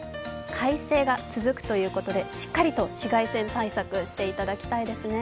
快晴が続くということでしっかりと紫外線対策していただきたいですね。